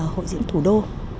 hội diễn thủ đô